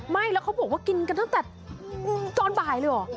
ไม่แล้วเขาบอกว่ากินกันตั้งแต่ตอนบ่ายเลยเหรอ